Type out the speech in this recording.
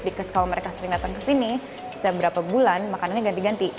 because kalo mereka sering datang ke sini setiap berapa bulan makanannya ganti ganti